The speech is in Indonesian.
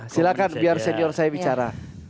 silahkan biar senior saya bicara